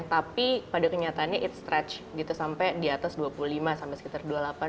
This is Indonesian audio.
tapi pada kenyataannya itu stretch sampai di atas dua puluh lima sampai sekitar dua puluh delapan dua puluh sembilan